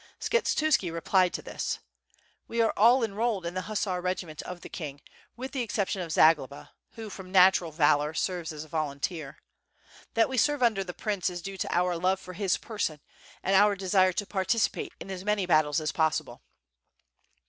*' Skshetuski replied to this: "We are all enrolled in the hussar regiment of the king, with the exception of Zagloba, who from natural valor, serves as a volunteer. That we serve under the prince is due to our love for his person, and our desire to participate in as many battles as possible.